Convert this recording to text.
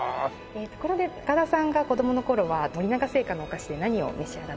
ところで高田さんが子供の頃は森永製菓のお菓子で何を召し上がっていましたか？